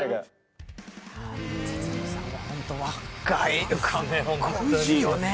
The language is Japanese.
堤さんは本当に若い、かっこいいよね。